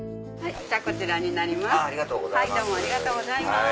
こちらになります。